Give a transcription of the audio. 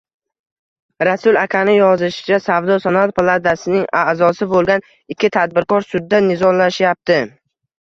Rasul akani yozishicha, Savdo-sanoat palatasining a’zosi bo‘lgan ikki tadbirkor sudda nizolashayapti